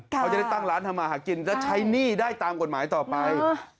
เขาจะได้ตั้งร้านทำมาหากินและใช้หนี้ได้ตามกฎหมายต่อไป